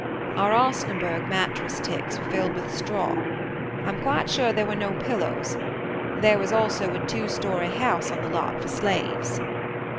Our osnaburg mattress ticks were filled with straw. I'm quite sure there were no pillows. There was also a two story house on the lot for slaves."